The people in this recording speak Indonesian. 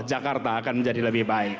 jakarta akan menjadi lebih